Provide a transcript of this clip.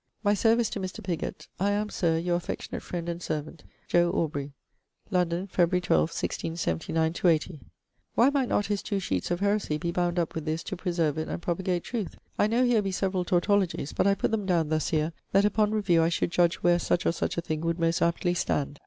My service to Mr. Pigot. I am, Sir, your affectionate friend and servant, JO. AUBREY. London Feb. 12, 1679/80. Why might not his two sheetes Of heresie be bound up with this to preserve it and propagate trueth? I know here be severall tautologies; but I putt them downe thus here, that upon reviewe I should judge where such or such a thing would most aptly stand.